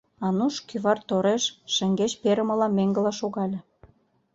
— Ануш кӱвар тореш шеҥгеч перымыла меҥгыла шогале.